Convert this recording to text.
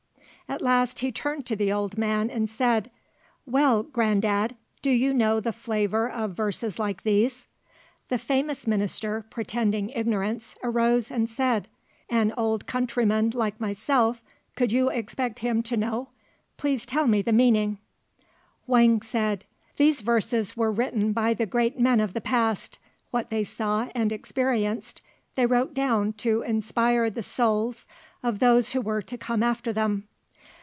At last he turned to the old man, and said, "Well, grand dad, do you know the flavour of verses like these?" The famous Minister, pretending ignorance, arose and said, "An old countryman like myself, could you expect him to know? Please tell me the meaning." Whang said, "These verses were written by the great men of the past. What they saw and experienced they wrote down to inspire the souls of those who were to come after them.